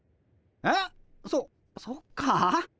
えっそそっか。